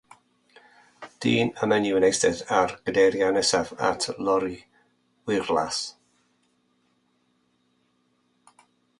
Dyn a menyw yn eistedd ar gadeiriau nesaf at lorri wyrddlas.